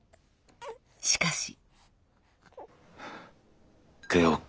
しかし。